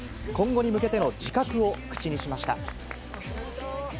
今後に向けての自覚を口にしました。